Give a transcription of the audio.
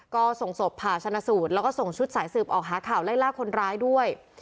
ก็ส่งศพผ่าชนะสูตรแล้วก็ส่งชุดสายสืบออกหาข่าวไล่ล่าคนร้ายด้วย